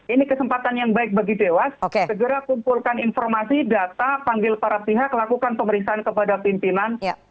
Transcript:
ini kesempatan yang baik bagi dewas segera kumpulkan informasi data panggil para pihak lakukan pemeriksaan kepada pimpinan